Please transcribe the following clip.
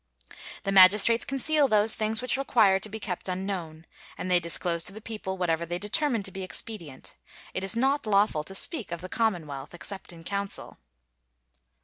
The magistrates conceal those things which require to be kept unknown; and they disclose to the people whatever they determine to be expedient. It is not lawful to speak of the commonwealth except in council.